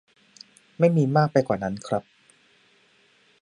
ไม่มีมากไปกว่านั้น ครับ